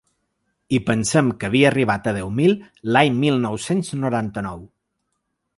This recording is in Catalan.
I pensem que havia arribat a deu mil l’any mil nou-cents noranta-nou.